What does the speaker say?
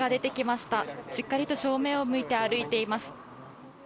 しっかりと正面を向いて歩いています。